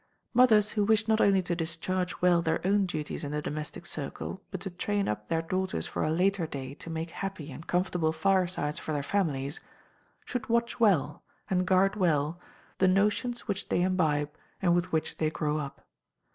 Mothers who wish not only to discharge well their own duties in the domestic circle, but to train up their daughters for a later day to make happy and comfortable firesides for their families, should watch well, and guard well, the notions which they imbibe and with which they grow up.